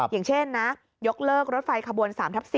อย่างเช่นนะยกเลิกรถไฟขบวน๓ทับ๔